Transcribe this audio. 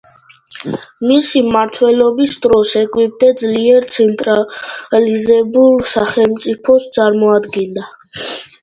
მისი მმართველობის დროს ეგვიპტე ძლიერ, ცენტრალიზებულ სახელმწიფოს წარმოადგენდა.